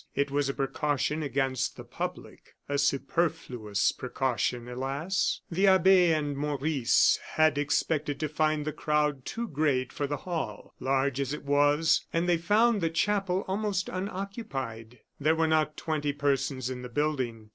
It was a precaution against the public. A superfluous precaution, alas! The abbe and Maurice had expected to find the crowd too great for the hall, large as it was, and they found the chapel almost unoccupied. There were not twenty persons in the building.